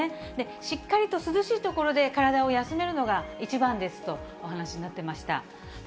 しっかりと涼しい所で体を休めるのが一番ですとお話しになってました。